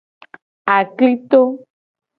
Aklito.